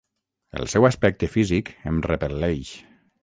El seu aspecte físic em repel·leix.